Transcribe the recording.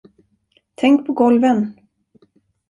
Tänk på golven!